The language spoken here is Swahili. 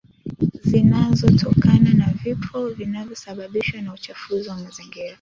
zinazotokana na vifo vinavyosababishwa na uchafuzi wa mazingira